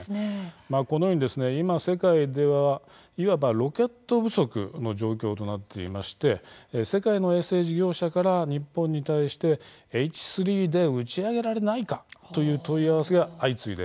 このように今、世界ではいわばロケット不足の状況となっていまして世界の衛星事業者から日本に対してＨ３で打ち上げられないかという問い合わせが相次いでいるんです。